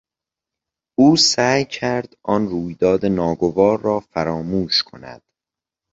او سعی کرد آن رویداد ناگوار را فراموش کند.